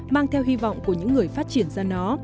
mang theo hy vọng của những người phát triển ra nó